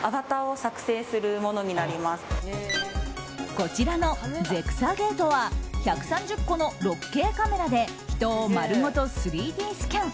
こちらのゼクサゲートは１３０個の６Ｋカメラで人を丸ごと３Ｄスキャン。